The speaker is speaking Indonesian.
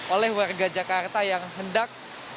oleh warga jakarta yang hendak